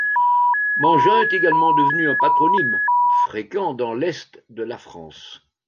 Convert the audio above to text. Mangin est également devenu un patronyme, fréquent dans l'est de la France.